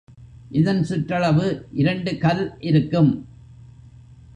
இதன் சுற்றளவு இரண்டு கல் இருக்கும்.